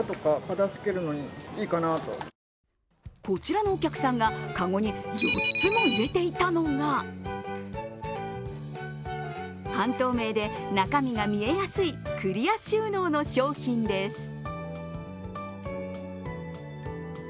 こちらのお客さんが籠に４つも入れていたのが半透明で、中身が見えやすいクリア収納の商品です。